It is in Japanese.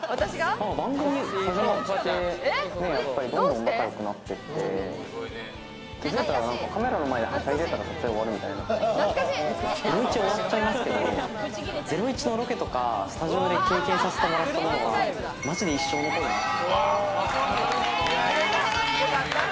番組始まって、どんどん仲良くなってって、気づいたら何かカメラの前ではしゃいでたら終わるみたいな、『ゼロイチ』終わっちゃいますけれども、『ゼロイチ』のロケとかスタジオでの経験させてもらったものはマジで一生残るなって。